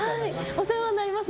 お世話になります。